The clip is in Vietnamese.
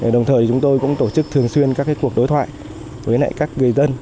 đồng thời chúng tôi cũng tổ chức thường xuyên các cuộc đối thoại với các người dân